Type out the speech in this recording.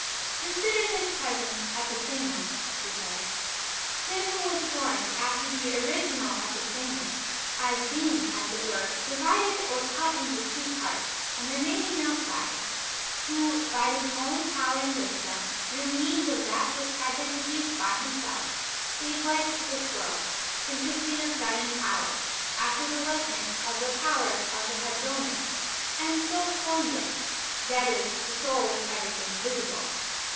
" Con sider this present Ejnsemon" she says —" Plim who was formed after tlie [original] Episemon^ as being, as it were, divided or cut into two parts, and remaining outside ; who, by His own power and wisdom, through means of that which had been produced by Himself, gave life to this world, consisting of seven powers,^ after the likeness of the power of the Hebdo mad, and so formed it, that it is the soul of everything visible.